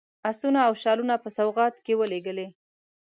آسونه او شالونه په سوغات کې ولېږلي.